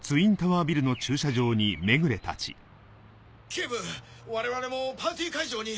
警部我々もパーティー会場に。